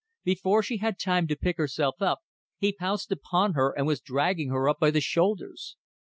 Before she had time to pick herself up he pounced upon her and was dragging her up by the shoulders.